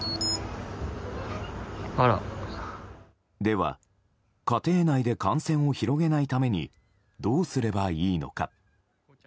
では、家庭内で感染を広げないためにどうすればいいのか。